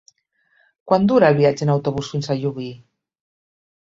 Quant dura el viatge en autobús fins a Llubí?